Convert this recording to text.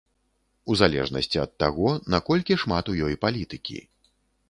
У залежнасці ад таго наколькі шмат у ёй палітыкі.